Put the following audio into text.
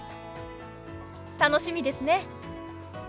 楽しみですね。